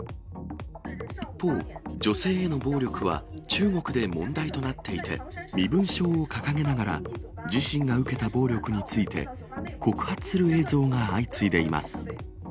一方、女性への暴力は、中国で問題となっていて、身分証を掲げながら、自身が受けた暴力について、告発する映像が相次いでいます。